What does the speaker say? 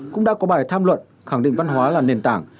cũng đã có bài tham luận khẳng định văn hóa là nền tảng